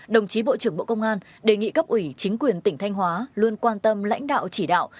đồng chí bộ trưởng bộ công an đề nghị cấp ủy chính quyền tỉnh thanh hóa luôn quan tâm lãnh đạo chỉ đạo